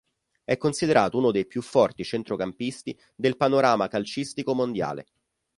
È considerato uno dei più forti centrocampisti del panorama calcistico mondiale.